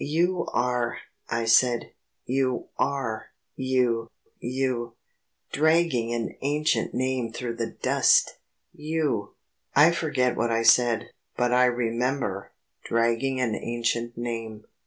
"You are," I said, "you are you you dragging an ancient name through the dust you ..." I forget what I said. But I remember, "dragging an ancient name."